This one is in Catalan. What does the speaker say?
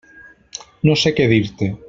No sé què dir-te.